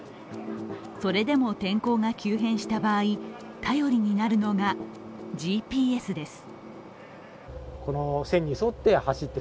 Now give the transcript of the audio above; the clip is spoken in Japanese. それでも天候が急変した場合頼りになるのがＧＰＳです。